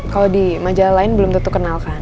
kalau di majalah lain belum tentu kenalkan